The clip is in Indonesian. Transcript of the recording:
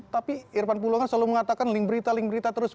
tapi irfan pulungan selalu mengatakan link berita link berita terus